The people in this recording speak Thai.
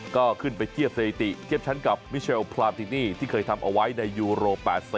ก็ขึ้นไปเทียบสถิติเทียบชั้นกับมิเชลพรานตินี่ที่เคยทำเอาไว้ในยูโร๘๐